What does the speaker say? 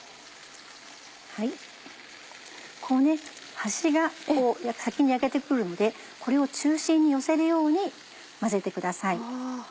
端が先に焼けて来るのでこれを中心に寄せるように混ぜてください。